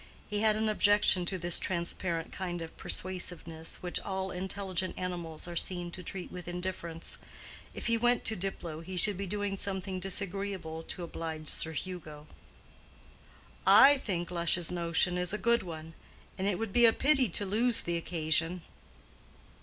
He had an objection to this transparent kind of persuasiveness, which all intelligent animals are seen to treat with indifference. If he went to Diplow he should be doing something disagreeable to oblige Sir Hugo. "I think Lush's notion is a good one. And it would be a pity to lose the occasion."